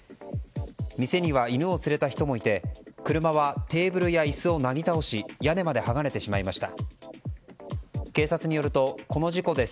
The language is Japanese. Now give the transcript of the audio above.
店には犬を連れた人もいて車はテーブルやいすをなぎ倒し屋根まで剥がれてしまいました。